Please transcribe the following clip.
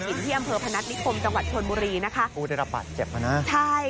อยู่ที่อำเภอพนักนิคมจังหวัดชนมุรีนะคะอู้ยได้รับบาดเจ็บมาน่ะใช่